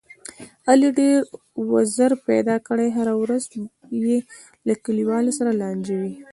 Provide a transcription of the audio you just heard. علي ډېر وزر پیدا کړي، هره ورځ یې له کلیوالو سره لانجه وي.